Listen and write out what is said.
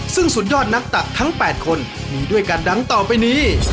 ซึ่งสุดยอดนักตักทั้ง๘คนมีด้วยกันดังต่อไปนี้